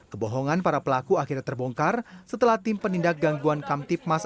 kebohongan para pelaku akhirnya terbongkar setelah tim penindak gangguan kamtipmas